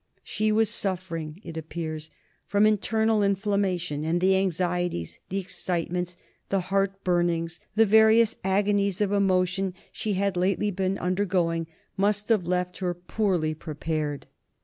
She was suffering, it appears, from internal inflammation, and the anxieties, the excitements, the heart burnings, the various agonies of emotion she had lately been undergoing must have left her poorly prepared.